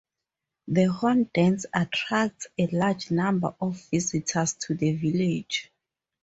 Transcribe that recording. The Horn Dance attracts a large number of visitors to the village.